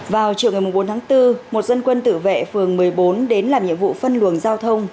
vào chiều ngày bốn tháng bốn một dân quân tự vệ phường một mươi bốn đến làm nhiệm vụ phân luồng giao thông